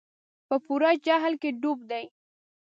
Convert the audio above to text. په پوره جهل کې ډوب دي.